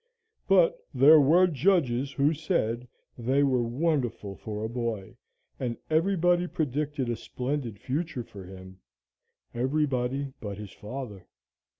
But there were judges who said they were wonderful for a boy, and everybody predicted a splendid future for him. Everybody but his father.